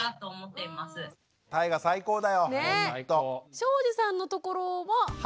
庄司さんのところは？